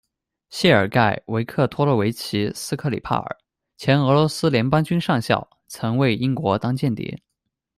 谢尔盖·维克托罗维奇·斯克里帕尔，前俄罗斯联邦军上校，曾为英国当间谍。